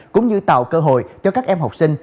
cũng như tạo cơ hội cho các em học sinh